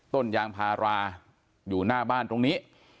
ต้นยางพาราอยู่หน้าบ้านตรงนี้